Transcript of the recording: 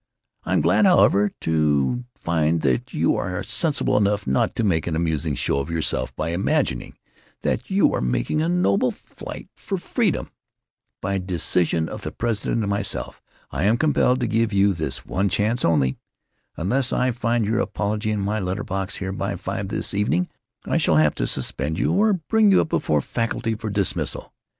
I'm glad, however, to find that you are sensible enough not to make an amusing show of yourself by imagining that you are making a noble fight for freedom. By decision of the president and myself I am compelled to give you this one chance only. Unless I find your apology in my letter box here by five this evening I shall have to suspend you or bring you up before the faculty for dismissal.